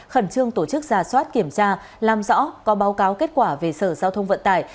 khẩn trương tổ chức ra soát kiểm tra làm rõ có báo cáo kết quả về sở giao thông vận tải